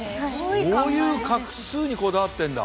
そういう画数にこだわってんだ。